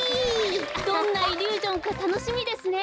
どんなイリュージョンかたのしみですね。